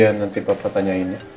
ya nanti papa tanyain ya